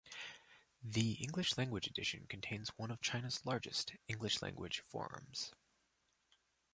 The English language edition contains one of China's largest English language forums.